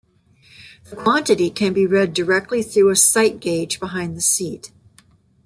The quantity can be read directly through a sight gauge behind the seat.